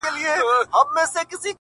د خپل رقیب کړو نیمه خوا لښکري-